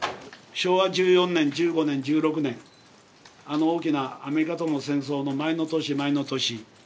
昭和１４年１５年１６年あの大きなアメリカとの戦争の前の年前の年。